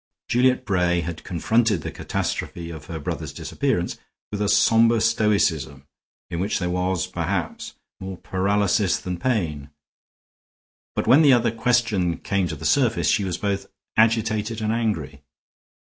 Juliet Bray had confronted the catastrophe of her brother's disappearance with a somber stoicism in which there was, perhaps, more paralysis than pain; but when the other question came to the surface she was both agitated and angry.